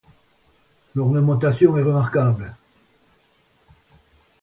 L'ornementation est remarquable.